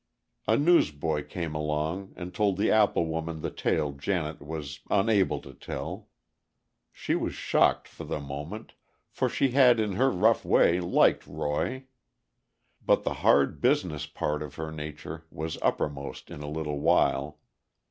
A newsboy came along and told the apple woman the tale Janet was unable to tell. She was shocked for the moment, for she had in her rough way liked Roy. But the hard, business part of her nature was uppermost in a little while.